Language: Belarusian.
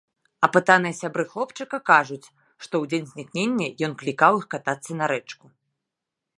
Апытаныя сябры хлопчыка кажуць, што ў дзень знікнення ён клікаў іх катацца на рэчку.